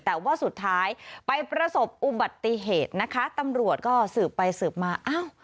แต่ว่าสุดท้ายไปประสบอุบัติเหตุนะคะตำรวจก็สืบไปสืบมาอ้าว